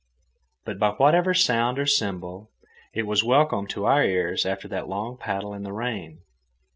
But by whatsoever sound or symbol, it was welcome to our ears after that long paddle in the rain.